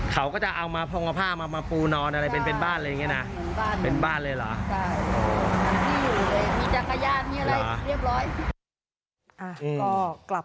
เขาก็จะเอามาพงมาผ้ามาปูนอนอะไรเป็นบ้านอะไรอย่างนี้นะ